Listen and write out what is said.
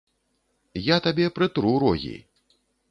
Я табе прытру рогі!